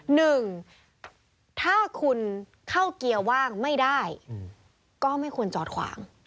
หนึ่งถ้าคุณเข้าเกียร์ว่างไม่ได้ก็ไม่ควรจอดขวาง